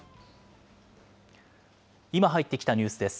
今、入ってきたニュースです。